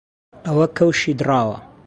ئەوە کەوشی دڕاوە